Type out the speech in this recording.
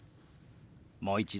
もう一度。